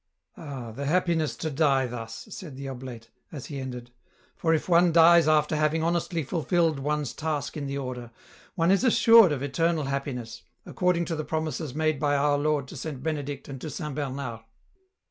*' Ah ! the happiness to die thus," said the oblate, as he ended, " for if one dies after having honestly fulfilled one's task in the order, one is assured of eternal happiness, accord ing to the promises made by our Lord to Saint Benedict and to Saint Bernard